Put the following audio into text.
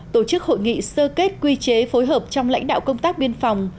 tổ chức hội nghị sơ kết quy chế phối hợp trong lãnh đạo công tác biên phòng